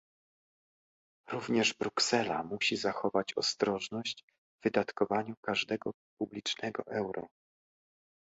Również Bruksela musi zachować ostrożność w wydatkowaniu każdego publicznego euro